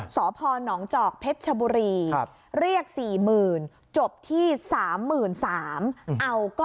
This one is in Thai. สพนจเพชบุรีเรียกสี่หมื่นจบที่สามหมื่นสาม